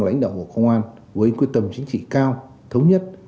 lãnh đạo bộ công an với quyết tâm chính trị cao thống nhất